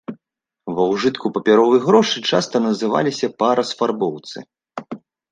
Ва ўжытку папяровыя грошы часта называліся па расфарбоўцы.